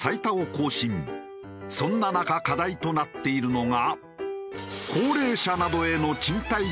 そんな中課題となっているのが。